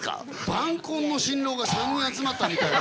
晩婚の新郎が３人集まったみたいな。